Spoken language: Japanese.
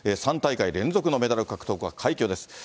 ３大会連続のメダル獲得は快挙です。